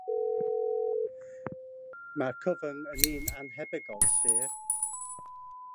Mae'r cyfwng yn un annhebygol, syr.